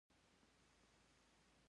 ګوتې لنډې دي.